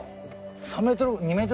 ３ｍ？